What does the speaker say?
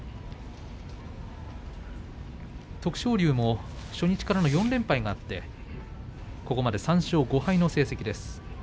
徳勝龍も初日からの４連敗があってここまで３勝５敗の成績です。